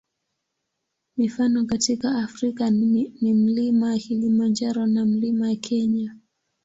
Mifano katika Afrika ni Mlima Kilimanjaro na Mlima Kenya.